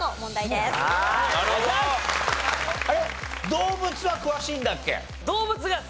動物は詳しいんだっけ？